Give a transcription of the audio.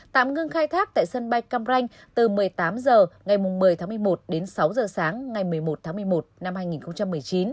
tạm ngưng khai thác tại sân bay cam ranh từ một mươi tám h ngày một mươi tháng một mươi một đến sáu h sáng ngày một mươi một tháng một mươi một năm hai nghìn một mươi chín